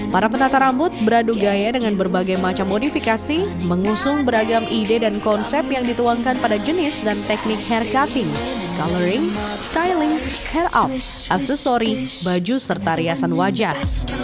para penata rambut beradu gaya dengan berbagai macam modifikasi mengusung beragam ide dan konsep yang dituangkan pada jenis dan teknik hair cutting coloring styling hair up aksesori baju serta riasan wajah